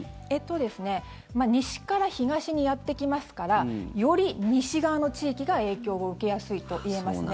西から東にやってきますからより西側の地域が影響を受けやすいと言えますね。